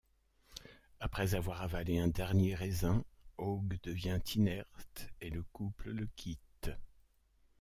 Après avoir avalé un dernier raisin, Hoag devient inerte et le couple le quitte.